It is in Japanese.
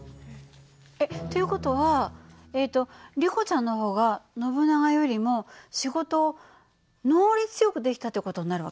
えっっていう事はえっとリコちゃんの方がノブナガよりも仕事を能率よくできたって事になる訳？